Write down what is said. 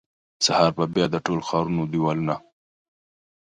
سهار به بیا د ټول ښارونو دیوالونه،